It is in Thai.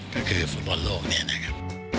ก็คือฟุตบอลโลกเนี่ยนะครับ